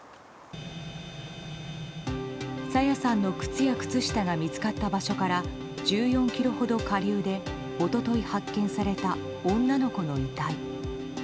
朝芽さんの靴や靴下が見つかった場所から１４ｋｍほど下流で一昨日発見された女の子の遺体。